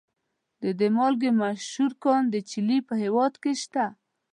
د دې مالګې مشهور کان د چیلي په هیواد کې شته.